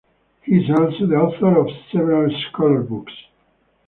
He is also the author of several scholar books.